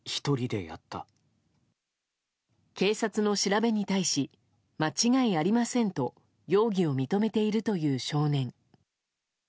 警察の調べに対し間違いありませんと容疑を認めているという少年。